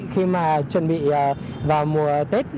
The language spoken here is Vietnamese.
khi mà chuẩn bị vào mùa tết